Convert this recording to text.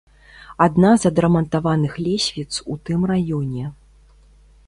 Адна з адрамантаваных лесвіц у тым раёне.